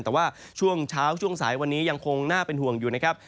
แต่ว่าช่วงเช้าช่วงสายวันนี้ยังคงน่าเป็นห่วงอยู่นะครับ